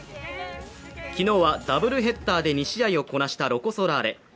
昨日はダブルヘッダーで２試合をこなしたロコ・ソラーレ。